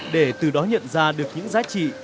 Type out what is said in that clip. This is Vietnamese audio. để từ đó nhận ra được những giá trị